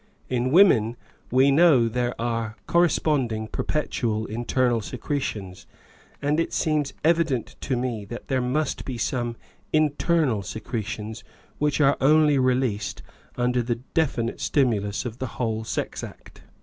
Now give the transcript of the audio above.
In women we know there are corresponding perpetual internal secretions, and it seems evident to me that there must be some internal secretions which are only released under the definite stimulus of the whole sex act.